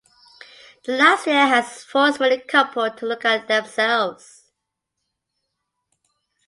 The last year has forced many couple to look at themselves.